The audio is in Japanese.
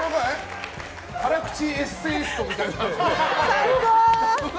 辛口エッセイストみたいな。